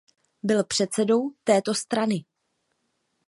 Byl předsedou této strany.